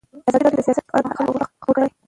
ازادي راډیو د سیاست په اړه د محلي خلکو غږ خپور کړی.